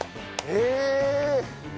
へえ！